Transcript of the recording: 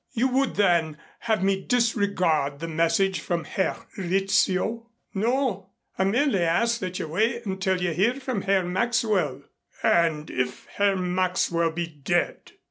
"You would, then, have me disregard the message from Herr Rizzio?" "No. I merely ask that you wait until you hear from Herr Maxwell." "And if Herr Maxwell be dead?"